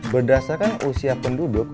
berdasarkan usia penduduk